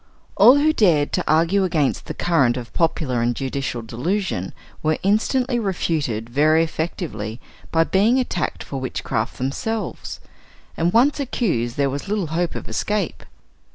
All who dared to argue against the current of popular and judicial delusion were instantly refuted very effectively by being attacked for witchcraft themselves; and once accused, there was little hope of escape.